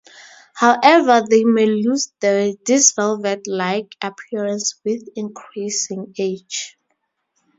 However, they may lose this velvet-like appearance with increasing age.